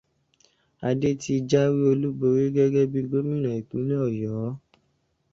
Adé ti jáwé olúborí gẹ́gẹ́ bí gómìnà ìpínlẹ̀ Ọ̀yọ́.